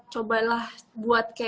cobalah buat kayak